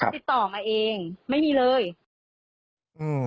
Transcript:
ติดต่อมาเองไม่มีเลยอืม